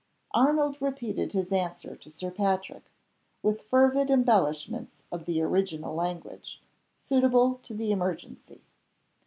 Arnold repeated his answer to Sir Patrick, with fervid embellishments of the original language, suitable to the emergency.